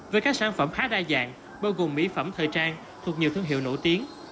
với các sản phẩm khá đa dạng bao gồm mỹ phẩm thời trang thuộc nhiều thương hiệu nổi tiếng